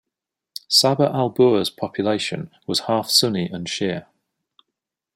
Saba Al Boor's population was half Sunni and Shia.